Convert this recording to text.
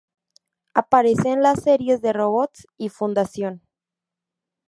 Aparece en las series de Robots y Fundación.